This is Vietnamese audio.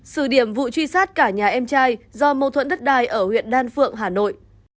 sử điểm vụ truy sát cả nhà em trai do mâu thuẫn đất đai ở huyện đan phượng hà nội